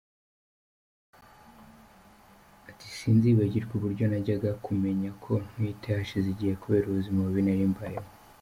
Ati “Sinzibagirwa uburyo najyaga kumenya ko ntwite hashize igihe kubera ubuzima bubi nari mbayemo.